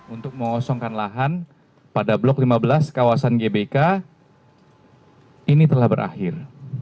untuk mengosongkan lahan pada blok lima belas kawasan gbk ini telah berakhir